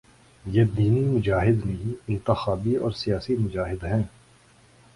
یہ دینی مجاہد نہیں، انتخابی اور سیاسی مجاہد ہیں۔